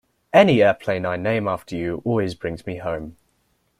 Any airplane I name after you always brings me home.